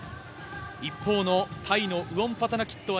一方のタイのウォンパタナキットは